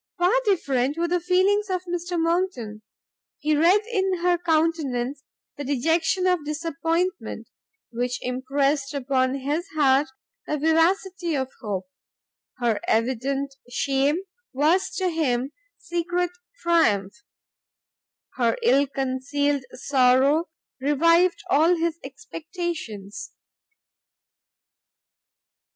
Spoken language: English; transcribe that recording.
Far different were the feelings of Mr Monckton; he read in her countenance the dejection of disappointment, which impressed upon his heart the vivacity of hope: her evident shame was to him secret triumph, her ill concealed sorrow revived all his expectations.